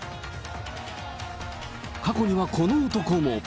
過去にはこの男も。